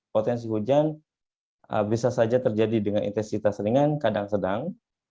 potensi hujan bisa saja terjadi dengan intensitas ringan kadang sedang